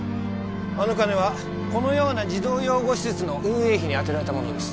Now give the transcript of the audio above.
あの金はこのような児童養護施設の運営費に充てられたものです